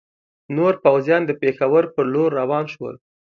نور پوځیان د پېښور پر لور روان شول.